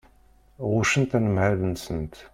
Ɣuccent anemhal-nsent.